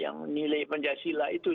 yang nilai pancasila itu